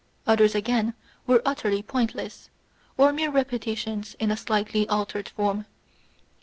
Others again were utterly pointless, or mere repetitions in a slightly altered form.